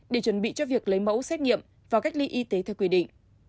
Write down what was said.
để chuẩn bị cho việc lấy mẫu xét nghiệm và cách ly y tế theo quy định